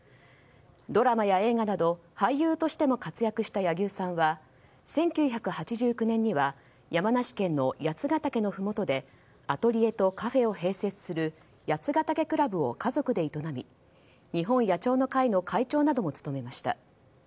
ドラマや映画など俳優としても活躍した柳生さんは１９８９年には山梨県の八ケ岳のふもとでアトリエとカフェを併設する八ヶ岳倶楽部を家族で営み日本野鳥の会の会長なども務めました。